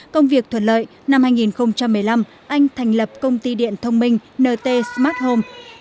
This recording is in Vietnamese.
công việc thuận lợi năm hai nghìn một mươi năm anh thành lập công ty điện thông minh nt smart home